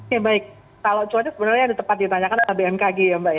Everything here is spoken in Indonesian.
ya baik kalau cuaca sebenarnya ada tepat ditanyakan oleh bmkg ya mbak ya